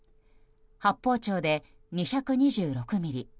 八峰町で２２６ミリ